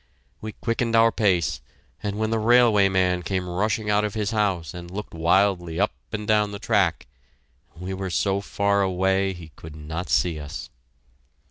We quickened our pace, and when the railway man came rushing out of his house and looked wildly up and down the track, we were so far away he could not see us!